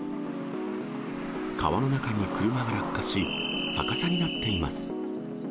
川の中に車が落下し、逆さになっています。